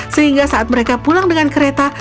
sehingga saat mereka pulang dengan kereta